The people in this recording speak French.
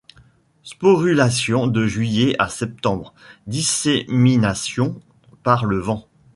Sporulation de juillet à septembre; dissémination par le vent.